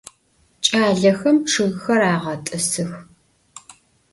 Ç'alexem ççıgxer ağet'ısıx.